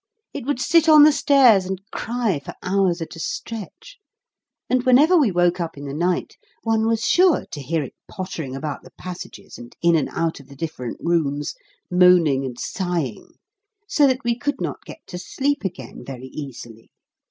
It would sit on the stairs and cry for hours at a stretch; and, whenever we woke up in the night, one was sure to hear it pottering about the passages and in and out of the different rooms, moaning and sighing, so that we could not get to sleep again very easily.